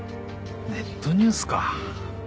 ネットニュースか。